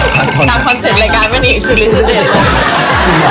ชัดจะเหลือหนูวะ